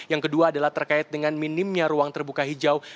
yang kedua adalah terkait dengan minimnya ruang terbuka hijau